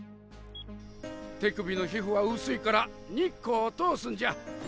手首の皮膚は薄いから日光を通すんじゃ。